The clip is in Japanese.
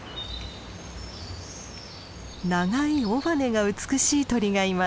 長い尾羽が美しい鳥がいます。